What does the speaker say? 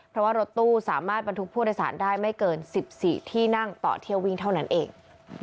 เพราะว่ารถตู้สามารถบรรทุกผู้โดยสารได้ไม่เกิน๑๔ที่นั่งต่อเที่ยววิ่งเท่านั้นเอง